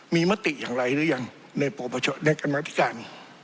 มีมติอย่างไรหรือยังในกรรมธิการ